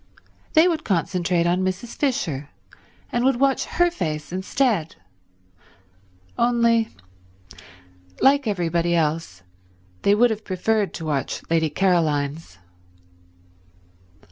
They would concentrate on Mrs. Fisher, and would watch her face instead; only, like everybody else, they would have preferred to watch Lady Caroline's.